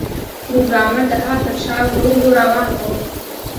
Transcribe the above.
پروګرامر د هغه تر شا ورو ورو روان و